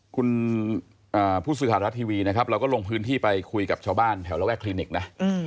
คุณผู้สื่อข่าวรัฐทีวีนะครับเราก็ลงพื้นที่ไปคุยกับชาวบ้านแถวระแวกคลินิกนะ